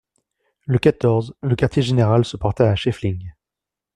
Le quatorze, le quartier-général se porta à Scheifling.